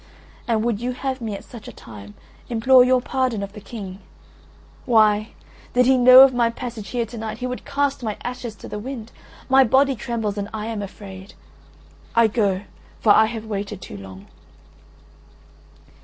And would you have me, at such a time, implore your pardon of the King? Why, did he know of my passage here to night he would cast my ashes to the wind. My body trembles and I am afraid. I go, for I have waited too long."